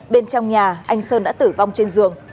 bên trong nhà anh sơn đã tử vong trên giường